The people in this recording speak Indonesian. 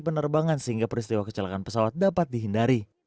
penerbangan sehingga peristiwa kecelakaan pesawat dapat dihindari